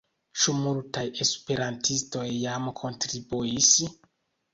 Ĉu multaj esperantistoj jam kontribuis?